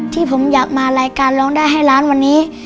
สื้นพันบาทอย่างนี้